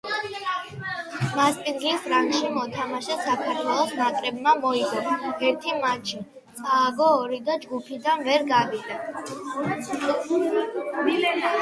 მასპინძლის რანგში მოთამაშე საქართველოს ნაკრებმა მოიგო ერთი მატჩი, წააგო ორი და ჯგუფიდან ვერ გავიდა.